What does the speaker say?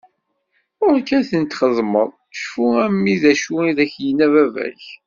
Ɣur-k ad tent-xedmeḍ!! Cfu a mmi d acu i d ak-yenna baba-k.